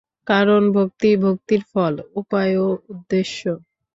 কারণ ভক্তিই ভক্তির ফল, উপায় ও উদ্দেশ্য।